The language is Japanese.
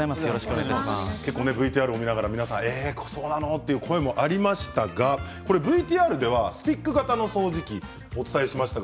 ＶＴＲ見ながらそうなの、っていう声がありましたがＶＴＲではスティック型の掃除機の使い方をお伝えしました。